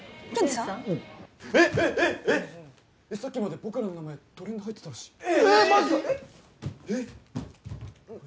さっきまで僕らの名前トレンド入ってたらしいえーっ！